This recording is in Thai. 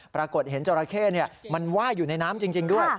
ปรากฏเห็นจราเข้มันไหว้อยู่ในน้ำจริงด้วย